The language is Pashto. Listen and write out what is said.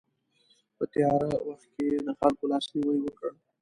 په تیاره وخت کې یې د خلکو لاسنیوی وکړ.